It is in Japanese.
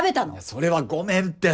それはごめんって。